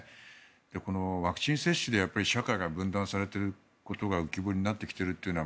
このワクチン接種で社会が分断されていることが浮き彫りになってきているというのは